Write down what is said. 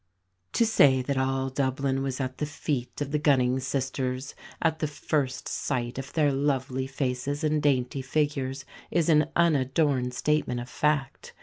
To say that all Dublin was at the feet of the Gunning sisters, at the first sight of their lovely faces and dainty figures, is an unadorned statement of fact.